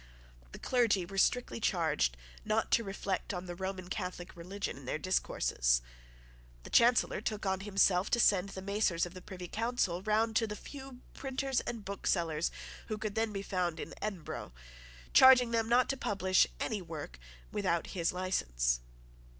The clergy were strictly charged not to reflect on the Roman Catholic religion in their discourses. The Chancellor took on himself to send the macers of the Privy Council round to the few printers and booksellers who could then be found in Edinburgh, charging them not to publish any work without his license.